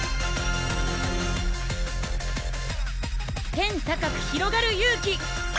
天高くひろがる勇気！